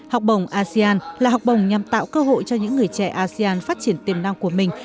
học bổng asean là học bổng nhằm tạo cơ hội cho những người trẻ asean phát triển tiềm năng của mình